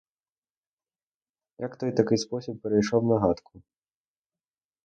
Як той такий спосіб прийшов на гадку?